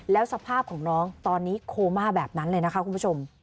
แล้วสภาพของน้องตอนนี้โคม่าแบบนั้นเลยนะคะคุณผู้ชม